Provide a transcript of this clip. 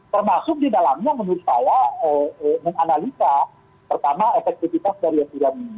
termasuk di dalamnya menurut saya menganalisa pertama efektivitas dari aturan ini